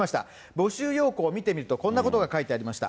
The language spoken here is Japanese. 募集要項見てみると、こんなことが書いてありました。